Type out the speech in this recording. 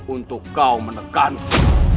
untuk kau menekanku